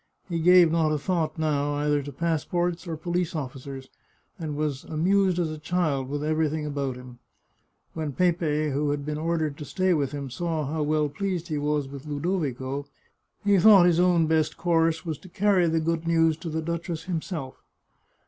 He gave not a thought, now, either to passports or police officers, and was as amused as a child with everything about him. When Pepe, who had been ordered to stay with him, saw how well pleased he was with Ludovico, he thought his own best course was to carry the good news to 219 The Chartreuse of Parma the duchess himself.